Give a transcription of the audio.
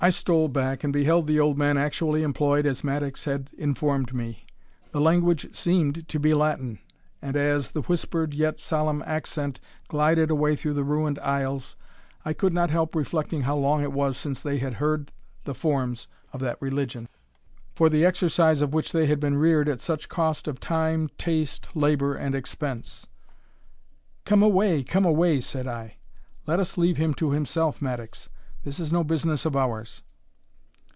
I stole back, and beheld the old man actually employed as Mattocks had informed me. The language seemed to be Latin; and as, the whispered, yet solemn accent, glided away through the ruined aisles, I could not help reflecting how long it was since they had heard the forms of that religion, for the exercise of which they had been reared at such cost of time, taste, labour, and expense. "Come away, come away," said I; "let us leave him to himself, Mattocks; this is no business of ours."